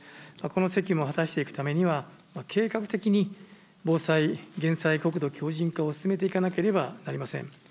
この責務を果たしていくためには、計画的に防災・減災・国土強じん化を進めていかなければなりません。